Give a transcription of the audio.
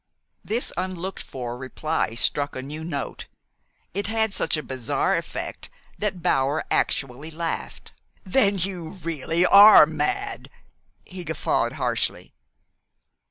This unlooked for reply struck a new note. It had such a bizarre effect that Bower actually laughed. "Then you really are mad?" he guffawed harshly.